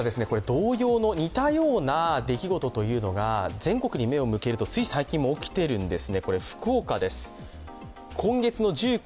同様の似たような出来事が全国に目を向けるとつい最近も起きてるんです。